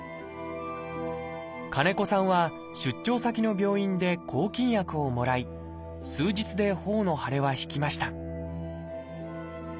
金子さんは出張先の病院で抗菌薬をもらい数日で頬の腫れは引きました